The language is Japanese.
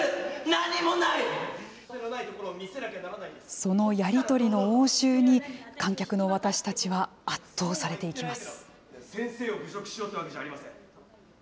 そのやり取りの応酬に観客の私たちは圧倒されていきます。